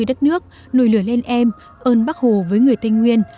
đất nước nồi lửa lên em ơn bác hồ với người tây nguyên